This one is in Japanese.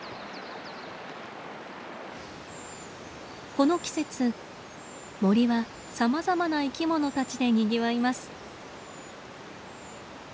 この季節森はさまざまな生きものたちでにぎわいます。